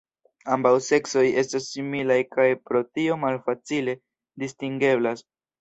Ambaŭ seksoj estas similaj kaj pro tio malfacile distingeblas.